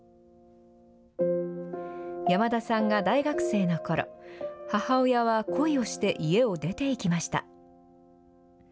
山田さんが大学生のころ母親は恋をして家を出ていきました。